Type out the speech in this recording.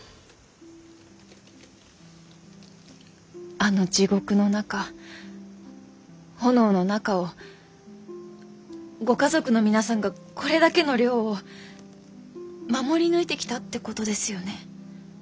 あの地獄の中炎の中をご家族の皆さんがこれだけの量を守り抜いてきたってことですよね？